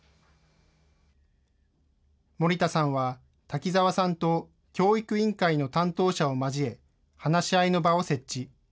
森田さんは瀧澤さんと教育委員会の担当者を交え、話し合いの場を設置。